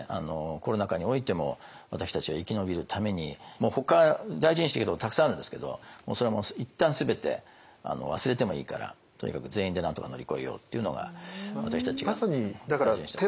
コロナ禍においても私たちが生き延びるためにもうほか大事にしてきたことたくさんあるんですけどそれはもう一旦全て忘れてもいいからとにかく全員でなんとか乗り越えようっていうのが私たちが大事にしてきたことです。